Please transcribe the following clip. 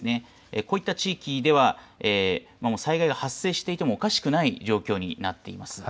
こういった地域では、災害が発生していてもおかしくない状況になっています。